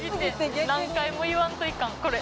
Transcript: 何回も言わんといかんこれ。